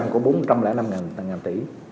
tám mươi năm của bốn trăm linh năm tỷ